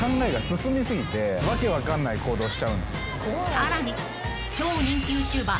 ［さらに］